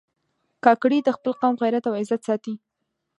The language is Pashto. کاکړي د خپل قوم غیرت او عزت ساتي.